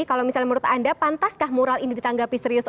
kalau misalnya menurut anda pantaskah mural ini ditanggapi serius